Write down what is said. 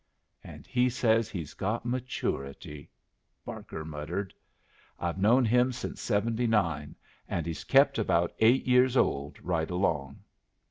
"And he says he's got maturity," Barker muttered. "I've known him since seventy nine, and he's kept about eight years old right along."